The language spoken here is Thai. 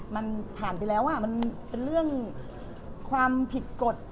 มันผ่านไปแล้วมันเป็นเรื่องความผิดกฎ